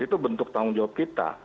itu bentuk tanggung jawab kita